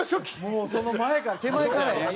もうその前から手前からや。